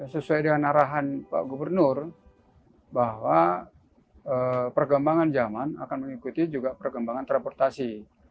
sesuai dengan arahan pak gubernur bahwa perkembangan zaman akan mengikuti juga perkembangan transportasi